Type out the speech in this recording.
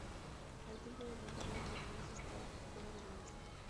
El templo de los Bardos Lunares está fuera de la Isla.